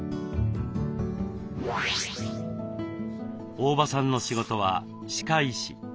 大庭さんの仕事は歯科医師。